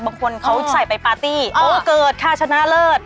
บางคนเขาใส่ไปปาร์ตี้เออเกิดค่าชนะเลิศ